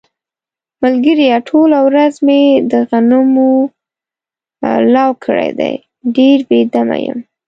ملگریه ټوله ورځ مې د غنمو لو کړی دی، ډېر بې دمه یم.